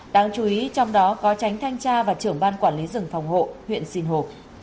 đáng chú ý trong đó có tránh thanh tra và trưởng ban quản lý rừng phòng hộ huyện sinh hồ